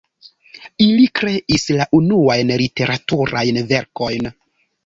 Ili kreis la unuajn literaturajn verkojn.